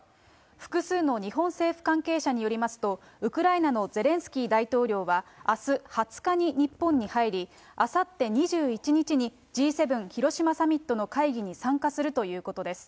複数の日本政府関係者によりますと、ウクライナのゼレンスキー大統領は、あす２０日に日本に入り、あさって２１日に、Ｇ７広島サミットの会議に参加するということです。